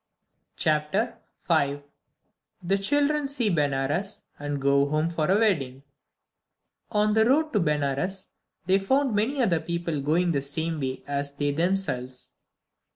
CHAPTER V THE CHILDREN SEE BENARES AND GO HOME FOR A WEDDING ON the road to Benares they found many other people going the same way as they themselves.